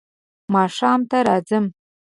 ماښام ته راځم .